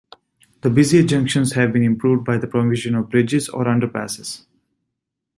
The busier junctions have been improved by the provision of bridges or underpasses.